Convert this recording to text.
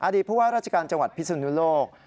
อดีตเพราะว่าราชการจังหวัดพิสุนุโลก